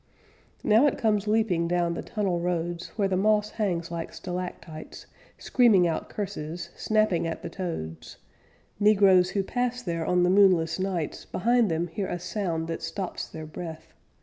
Now it comes leaping down the tunnel roads Where the moss hangs like stalactites, Screaming out curses, snapping at the toads; Negroes who pass there on the moonless nights Behind them hear a sound that stops their breath.